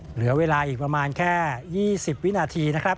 เหลือเวลาอีกประมาณแค่๒๐วินาทีนะครับ